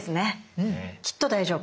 きっと大丈夫。